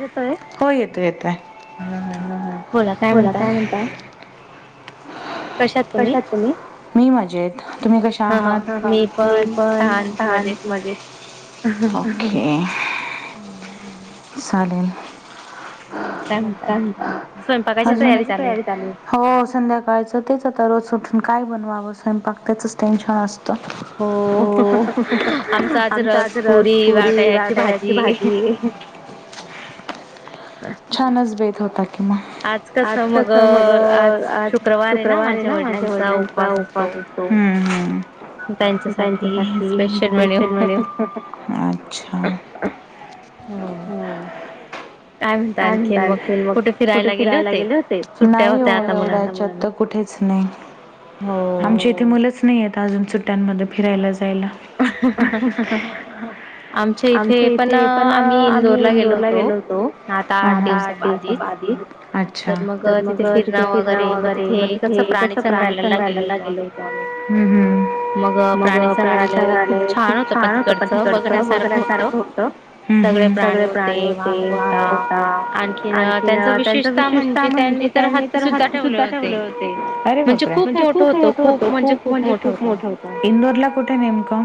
य हो येतोय येतय. हम ह बोला काय काम्हणताय. [unintelligible] कशात तुम्ही मी मजेत तुम्ही कशा आहात मी पण. मजेत ओके. हम्म चालेल. [unintelligible] तया हो संध्याकाळच तेच. दररोज उठून काय बनवावं स्वयंपाक तेचच टेन्शन असत. [unintelligible] हो आमचा आज रस पुरी वाटन्याची भाजी. छानच भेट होता मग. आज त मग आज शुक्रवारे ना माझ्या वडिलांचा उपवास असतो. बर. त्यांच्यासाठी स्पेशल मि अच्छा! हम्म. आण मग कुठे फिरायला गेले होते नाही एवढ्याच्या कुठेच. आमच्या इथे मुलंच नाही अजून सुट्ट्यांमध्ये फिरायला. जाला. आमच्या इथे पण आम्ही इंदोरला गेलो होतो. हा आठ दिवसा आदी. अच्छा तर मग तिथे पिज्जा वगैरे मग तिथे कसं प्राणी संग्रहायला गेलं होत. हम् हम्म मग प्राणीसंघरालेय खूप छान होत पण तिकडचं वगैर सारखं होत. सगळे प्राणी होते वाघ होता आणखीन त्यांच. म्हणेनी हा ठेवले होते अरे म्हणजे खूप मोठ हो. े खूप मोठ हो इंदोरला.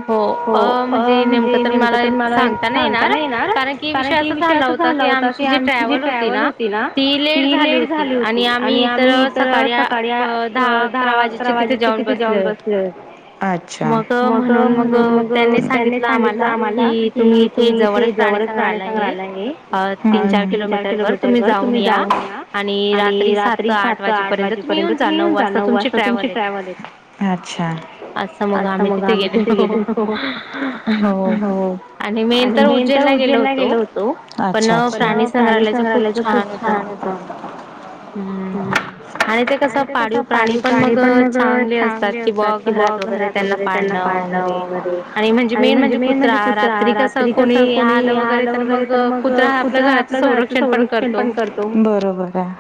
हो म्हणजे नेमकं तर मला सांगताना येणार कारण की विषय अस. झाला होता क. आम जी ट्रॅव्हल होती ना ती लेट झाली होती आणि आम्ही इत सकाळी. दहा अकरा वाजे पर्यंत तेथेच जाऊन बसलो होतो अच्छा! तर म्हणून मग त्यांनी सांगितलं आम्हाला कि तुम्ही इथे जवळच प्राणीसग्रहालाय आहे तीन चार किलोमीटर घर तुम्ही जाऊ ना आणि रात्री सात आठ वाजेपर्यंत तुम्ही येऊन जा नऊ वाजता तुमची ट्रॅवल आहे अच्छा असं मग आम्ही तिथे गेले हो हो आणि मेन तर उज्जैनला गेलो होतो प प्राणी संंग्रहालयाच खूप छान होत हम् आणि ते कसं पाळीव प्राणी पण मग चांगले असतात कि बा घरात वगैरे त्यांना म्हणजे मेन म्हणजे कुता रात्री कस कोणी वगैरे ग कत कुत्रा हा आपल्या घराच संरक्षण पण करतो बरोबर आहे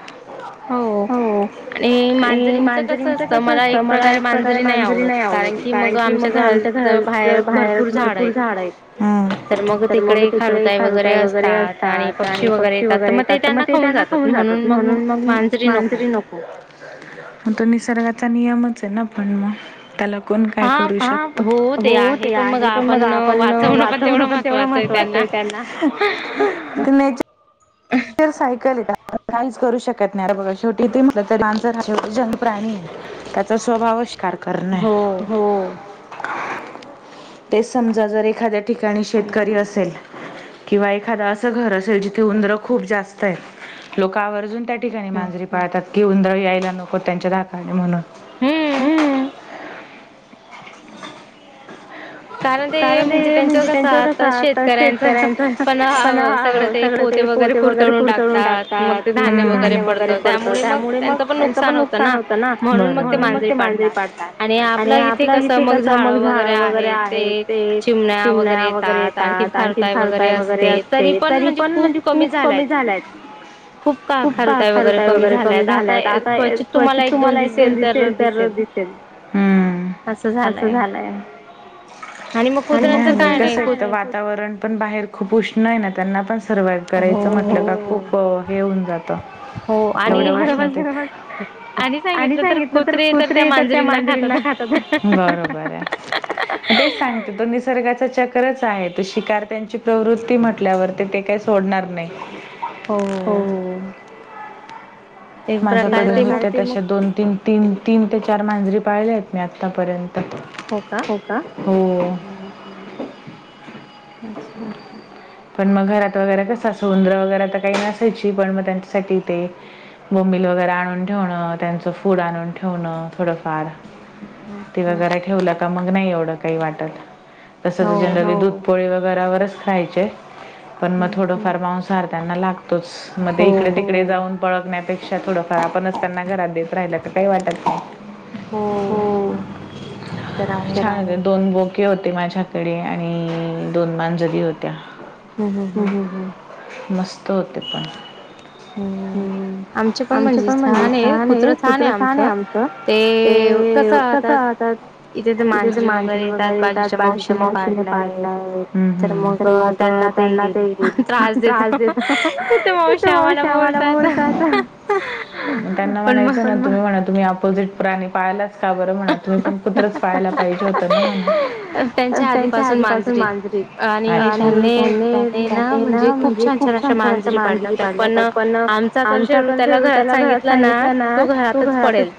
हो आणि मांजरींच कस असतं मला एक प्रकार मांजरी नाही आवडते कारण की मग आमच्या घर ज बाहेर भरपूर झाड आहेत तर मग तिकडे खारताय वगैरे अस आणि पक्षी वगैरे येतात तर मग ते त्यांना खाऊन जातात म्हणून मग मांसरी नको मग तो निसर्गाचा नियमच आहे ना पण मग त्याला कोण काय करू शकत हो ते आहे पण मग आपण वाचवण पण तेवढं म मत कर नाहीच सायकल यण काज करू शकत नाही बघा छवटी तिथ म्हटलं ते लहानच जंग प्राणी त्याचा स्वभावषकार करण आहे हो ते समजा जर एखाद्या ठिकाणी शेतकरी असेल किंवा एखाद असं घर असेल जिथे उंदरं खूप जास्त आहे लोक आवर्जून त्या ठाणी मांजरी पाळतात की उर यायला नको त्यांच्या धाकाने म्हणून हम [unintelligible] कारण ते म्हणजे त्यांच्यावर कसं आता शेतकऱ्यांच पण सगळं ते पोते वगैरे कुरसडून टाकतातणे वगैरे पडतं त्यामुळे मग त्यांच पण नुकसान होत म्हणून मग ते मांजरी पाडतात आणि आपल्या इथे कस मग झाड वगैरे आहे ते चिमण्या वगैरे येतात आणखी खरसाय वगैरे असते तरी पण म्हणजे खूप खप कमी झालाय खूप का खार काय वगैरे कमी झाल्यात आता क्वचित तुम्हाला एक दोन दिस येईल तर ् अस झालंय ह कस वातावरण पण बाहेर खूप उष्ण आहे ना त्यांना सर्वाइव्ह करायचं म्हटलं का खूप हे होऊन जात एवढ्या गष्टण आणि सांगितलं तर कुत्रे तर त्या मांजरींना खातात बरोबर आहे ते तो निसर्गाचा चक्रच आहे त शिकार त्यांची प्रवृत्ती म्हटल्यावर ते ते काही सोडणार नाही हो माझ्याकडून होत्या तश दोन तीन तीन तीन ते चार मांजरी पाळल्या आहेत मी आत्तापर्यंत हो का हम् अच्छा पण मग घरात वगैरे कस समुंद्र वगैरे तर काही नसायची पण मग त्यांच्यासाठी ते बंब वगैरे आणून ठेवणं त्यांचं फूड आणून ठेवणं थोडं फार तेवगैर ठेवलं का मग नाही एवढं काही वाटत तसं तुझे नवी दूध पोळी वगैरेवरच खा पण मग थोडफार मांसहार त्यांना लागतोच मग ते इकडे तिकडे जाऊन बळगण्यापेक्षा थोडंफार आपण असताना घरात देत राहिलं तर काही वाटत नाही हो [unintelligible] ओक होते माझ्याकडे आणि दोन मानजरी होत्या, मस्त होते पण, हम्म हम्म आमचे पण म्हणजे छान आहे कुत्र छान ये आमचं ते कसं आता इथे ते मांजरी वगैरे त्यात बाजूच्या मावशीने पाडलाय तर मग त्यांना ते त्रास ेत तश्य [unintelligible] ते आम्हाला बोलतात. त्यांना म्हणायचं ना तुम्ही म्हणा तुम्ही अपोजिट प्राणी, पाहायलाच का बरं म्हणा तुम्ही पण कुत्रच पायला पाहिजे होतं ना म्हण, [inaudible] त्यांच्या आधीपासून मांजरीत आणि त्यानीं त्यानीं ना म्हणजे खूप छान छान अशा मांजरी पाळ्या पण आमचा तर शेरू त्याला घरात सांगितला ना तो घरातच. पडेल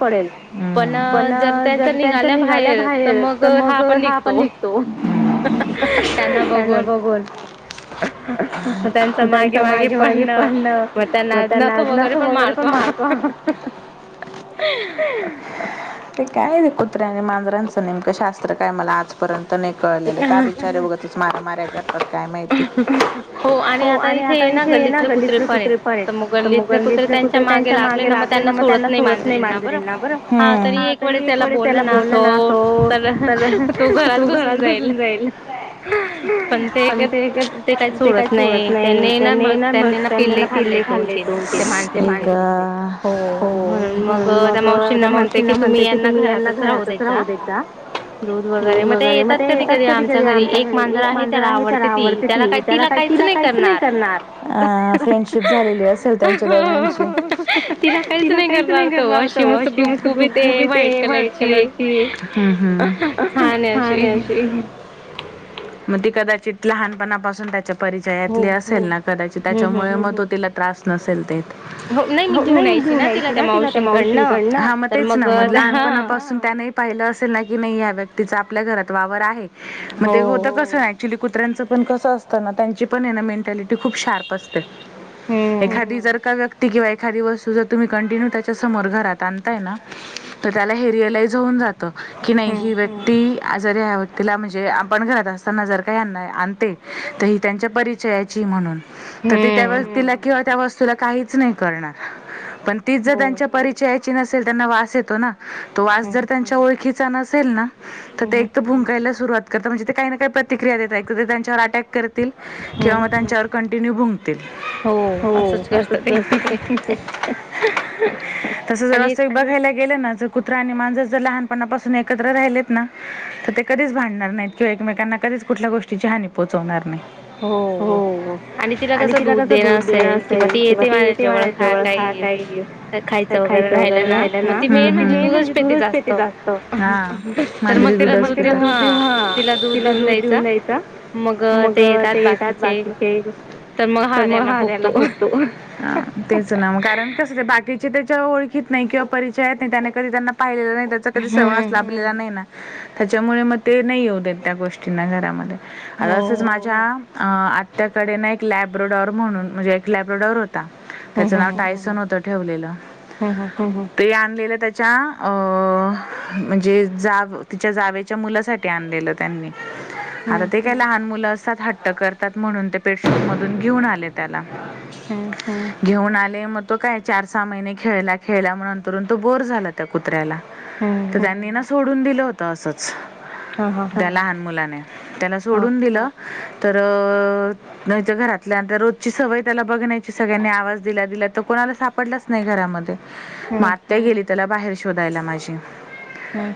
पण जर त्यांचा निघालां बाहेर तर मग हा पण निघ आपण निघतो त्यांना बघून म त्यांच मागे मागे पळण म त्यांना अस वगैरे पण मारतो. ते काय कुत्र्या आणि मांजरांचं नेमकं शास्त्र काय मला आजपर्यंत नाही कळलेलं का बिचारे बघं तीच मारा माऱ्या करतात काय माहिती. हो आणि आता इथे ये ना गल्लीतले कुत्रे पण येत तर मग गल्लीतले कुत्रे त्यांच्या मागे लाग ते ना म त्यांना सोडत नाही मांजरींना बर तरी एक वेळेस त्यालां बोल्ल ना सोड तर तो घरात घुसून जाईल. पण ते ते काही सोडत नाही त्यांनी ना म त्यांनी ना पिल्ली [unintelligible] दन त मग मावशीं म्हण की तुम्ही यांना घरातच जाऊ देता. दूध वगैरे मते, ते येतात कधी कधी आमच्याकडे एक मांजर आहे, त्याला आवडते ती त्याला काही तिला काहीच नाही करणार. अ फ्रेंडशिप झालेली असेल, त्यांच्या दोघांची तिला काहीच नाही करणार. अशी ह स ग गुबीच व्हाईट कलरची, हम् हम् पाहण्याची मग त कदाच लहानपणापासून त्याच्या परिचयातली असेल ना, कदाचित त्याच्यामुळे मग तो तिला त्रास नसेल ते, हो नाही मी घेऊन यायची ना तिला त्या मावशींकड मग तेच ना म लहानपणापासून त्याणे ही पाहिलं अस की नाय व्यक्ती चा आपल्या घरात वावर आहे म ते होत कस एक्च्युली कुत्र्यांच पण कस अस त्यानां त्यांची पण हे ना मेन्टॅलिटी खूप सार्प असते एखादी जर का किंवा एखादी वस्तू जर तुम्ही कंटिन्यू त्याच्या समोर घरात आणताय ना, तर त्याला हे रिअलाइज होऊन जात. की नाही हि व्यक्ती, जर हव तिला म्हणजे आपण घरात असताना जर काही आणते तर ही त्यांच्या परिचयाची म्हणून, तर त त्या तिला किंवा त्या वस्तूला काहीच नाही करणार. पण तीच जर त्यांच्या परिच याची नसेल त्यांना वास येतो ना तो वास जर ओळखीचा नसेल ना त ते एकतर भुंकायला सुरवात करत म्हणजे ते काय ना काय प्रतिक्रिया देतात एक तर ते त्यांच्यावर अटॅक करत किंवा मग त्यांच्यावर कंटिन्यू भुंकतील हो अस तस ज असत बघायला. गेलं ना कुत्र आणि मांज ते लहान पनापासून एकत्र राहिलेत ना त ते कधीच भांडणार नाहीत किंवा एकमेकांना कधीच कुठल्या गोष्टीची हानी पोचवणार नाही. हो! आणि तिला कसं दूध देणं असेल किंवा ती येते माझ जेवळ खाया काई खायचं वगैरे राहिलं ना! मग ती मेन म्हणजे दूधच पेती जास् तर मग तिला दूध देऊ हा... तिला दूध देऊन द्यायचा. मग. ग ते येतात बाकीचे. तर मग हा त्यांना भोगतो. तेच ना मगं कारण कस बाकीचे. ओळखीत नाही किंवा परिचय यत नाही त्याने कधी त्यांना पाहिलेला नाही त्याचा कधी सहवास लाभलेला नाही ना. त्याच्यामुळे मग ते नाही येऊ देत. त्या गोष्टींना घरामध्ये आता असंच माझ्या. अ आत्याकडे ना एक लॅब्रोडॉअर म्हणून म्हणजे एक लॅब्रोडॉर होता. त्याच ना टायसन होत ठेवलेलं. हम्म.. ह्म्म्म ते आणलेल त्याच्या... म्हणजे जाव तिच्या जावेच्या मुलासाठी आणलेलं त्यांनी. आता ते काही लहान मुलं असतात हट्ट करतात म्हणून ते पेटशॉप मधून घेऊन आले त्याला. घेऊन आले. मग तो काय चार सहा महिने खेळला खेळला. मग नंतर तो बोर झाला त्या कुत्र्याला. तर त्यांनी ना सोडून दिलं होत असंच. त्या लहान मुलाने त्याला सोडून दिलं. तर नाही तर घरातल्यानंतर रोजची सवय त्याला बघण्याची सगळ्यांनी आवाज दिला दिला तर कोणा. सापडलाच नाही घरामध्ये. मग आत्या गेली त्याला बाहेर शोधायला माझी.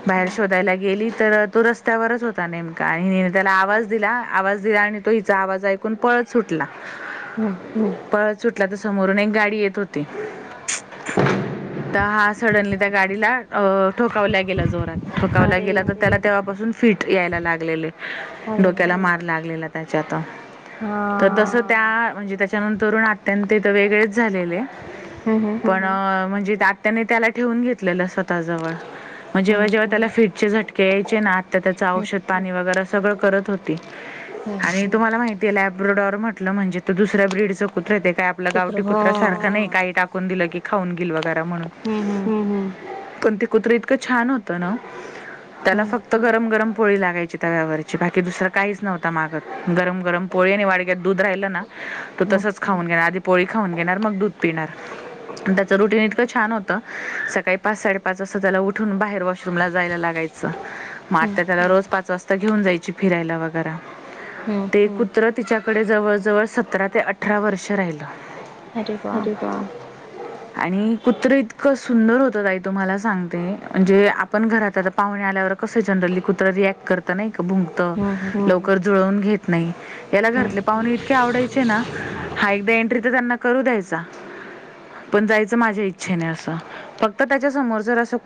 बाहेर शोधायला. गेली तर तो रस्त्यावरच होता नेमका आणिने त्याला आवाज दिला आवाज दिला आणि तो हिचा आवाज ऐकुण. पळत सुटला पळत सुटला तर समोरून एक गाडी येत होती. तर हा सडनली त्या गाडीला अ ठोकावल्या गेला जोरात. ठोकावला गेला तर त्याला तेव्हापासून फिट यायला लागलेली. डोक्याला मार लागलेला त्याच्यात तर तस त्या म्हणजे त्या. त्यानं नंतर ते आत्या वेगळेच झालेलं पण म्हणजे. तर आत्या नं त्याला ठेवून घेतलेलं स्वतः जवळ. मग जेव्हा जेव्हा त्याला फिटचे झटके यायचे ना आत्या त्याचं औषध पाणी वगैरे सगळं करत होती. आणि तुम्हाला माहिती आहे लॅब्रॉडॉर म्हटलं म्हणजे तो दुसऱ्या ब्रीड [unintelligible] राहते. काय आपलं गावटी कुत्र्या सारखं नाही काही टाकून दिलं की खाऊन गेल वगैररा म्हणून. पण ते कुत्रे इतकं छान होत ना. त्याला फक्त गरम गरम. पोळी लागाची तव्या वरची बाकी दुसरा काहीच नव्हता मागत. गरम गरम पोळी आणि वाडग्यात दूध राहिलं ना तो तसच खान घेणार आधी पोळी खाऊन घेणार मग दूध. पिणार. त्याच रुटीन इतकं छान होतं सकाळी पाच साडे पाच. ला उठून बाहेर वॉशरूम जायला लागायचं. मग आत्या त्याला रोज - पाच घेऊन जायची फिरायला वगैर. ते कुत्र तिच्याकडे जवळ जवळ सतरा ते अठरा वर्ष राहिलं. अरे वा! आणि कुत्र इतकं सुंदर होत ताई. तुम्हाला सांगते म्हणजे आपण घरात आता पाहुणे आल्यावर कसं जनरली कुत्र रिॲक्ट करत नाय. भुकंत. लवकर. जुळवून घेत नाही याला घरातले पाहुणे इतके आवडायचे ना, हा एकदा एंट्री तर त्यांना करू द्यायच. पण जायच माझ्या इच्छे नाही अस फक्त त्याच्या समोर अस कुणी